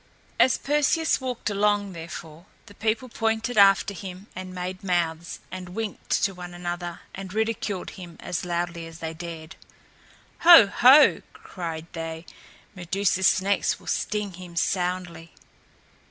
As Perseus walked along, therefore, the people pointed after him and made mouths, and winked to one another and ridiculed him as loudly as they dared. "Ho, ho!" cried they; "Medusa's snakes will sting him soundly!"